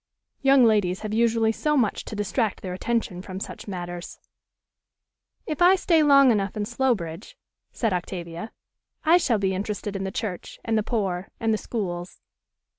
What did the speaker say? Young ladies have usually so much to distract their attention from such matters." "If I stay long enough in Slowbridge," said Octavia, "I shall be interested in the church, and the poor, and the schools."